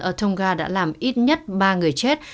ở tôn nga đã làm ít nhất ba người chết